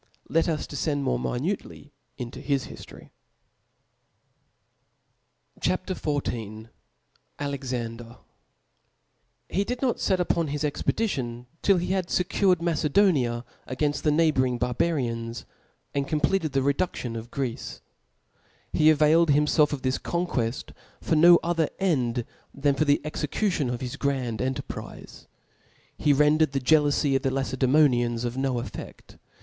Let us defcend more mimnc ly into his hiftory. C H A P. XIV. Alexander. TJ[E did not iet out upon his expedition till be bad fecured Macedonia againft the neighbouring barbarians, and completed the reduftion of Greece; he availed himfelf of thb conqueft for no other end than for the execution of his grand enterprize , heren dered the jealoufy of the Lacedemonians of no eficA